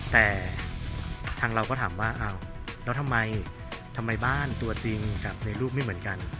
แต่ทางเราก็ถามว่าอ้าวแล้วทำไมทำไมบ้านตัวจริงกับในรูปไม่เหมือนกัน